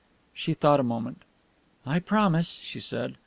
She thought a moment. "I promise," she said.